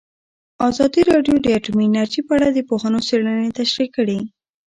ازادي راډیو د اټومي انرژي په اړه د پوهانو څېړنې تشریح کړې.